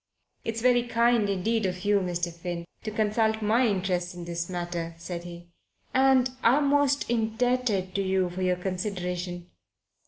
"It's very kind indeed of you, Mr. Finn, to consult my interests in this manner," said he. "And I'm most indebted to you for your consideration.